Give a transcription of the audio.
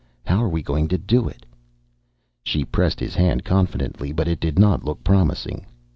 How are we going to do it?" She pressed his hand confidently, but it did not look promising.